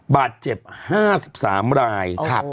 บาดเจ็บ๕๓ราย